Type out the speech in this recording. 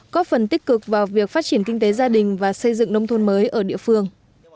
có phần tích cực vào việc phát triển kinh tế gia đình và xây dựng nông thôn mới ở địa phương